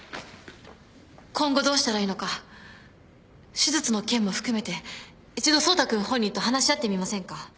今後どうしたらいいのか手術の件も含めて一度走太君本人と話し合ってみませんか？